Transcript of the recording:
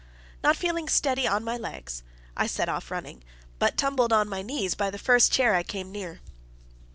Not feeling steady on my legs, I set off running, but tumbled on my knees by the first chair I came near.